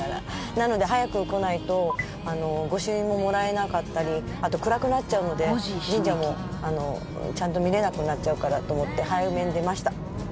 なので早く来ないと御朱印ももらえなかったりあと暗くなっちゃうので神社もちゃんと見れなくなっちゃうからと思って早めに出ました。